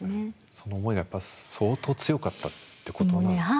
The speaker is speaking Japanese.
その思いはやっぱ相当強かったってことなんですね。